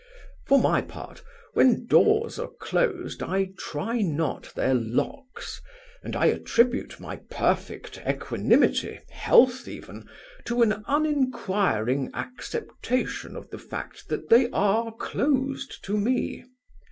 For my part, when doors are closed I try not their locks; and I attribute my perfect equanimity, health even, to an uninquiring acceptation of the fact that they are closed to me.